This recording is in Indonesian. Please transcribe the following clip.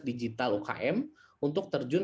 digital umkm untuk terjun